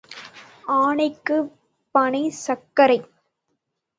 ஆனைக்குப் பனை சர்க்கரை.